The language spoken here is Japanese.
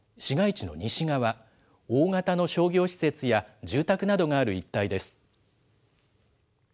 市街地の西側、大型の商業施設や住宅などがある一帯です。